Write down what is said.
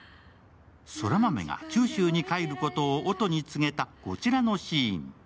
空豆が九州に帰ることを音に告げた、こちらのシーン。